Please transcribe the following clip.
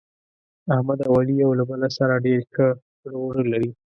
احمد او علي یو له بل سره ډېر ښه کړه وړه لري.